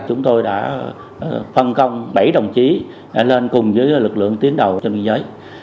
chúng tôi đã phân công bảy đồng chí lên cùng với lực lượng tiến đầu trên biên giới